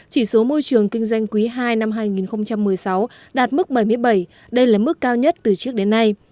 chỉ số môi trường kinh doanh quý ii năm hai nghìn một mươi sáu đạt mức bảy mươi bảy đây là mức cao nhất từ trước đến nay